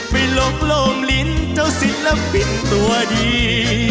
ไม่หลบโลมฤนเจ้าศิลปินตัวดี